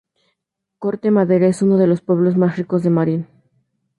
Corte Madera es uno de los pueblos más ricos de Marin.